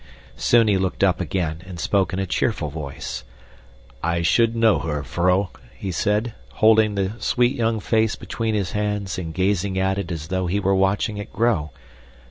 Soon he looked up again and spoke in a cheerful voice. "I should know her, vrouw," he said, holding the sweet young face between his hands and gazing at it as though he were watching it grow.